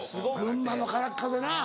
群馬の空っ風な。